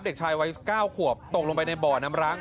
เด็กชายวัย๙ขวบตกลงไปในบ่อน้ำร้าง